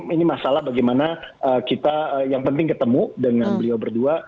ini masalah bagaimana kita yang penting ketemu dengan beliau berdua